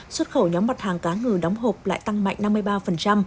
xuất khẩu nhóm mặt hàng cá ngừ đóng hộp lại tăng mạnh